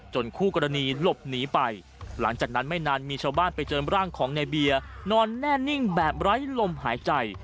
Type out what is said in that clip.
คู่กรณีหลบหนีไปหลังจากนั้นไม่นานมีชาวบ้านไปเจอร่างของในเบียร์นอนแน่นิ่งแบบไร้ลมหายใจ